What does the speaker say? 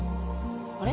あれ？